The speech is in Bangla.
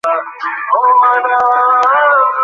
হে আবু আইয়ূব!